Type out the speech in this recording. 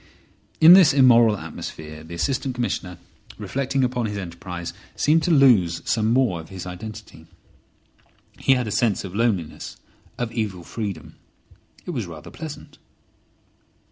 In this immoral atmosphere the Assistant Commissioner, reflecting upon his enterprise, seemed to lose some more of his identity. He had a sense of loneliness, of evil freedom. It was rather pleasant.